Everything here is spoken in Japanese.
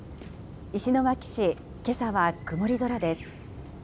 石巻市、けさは曇り空です。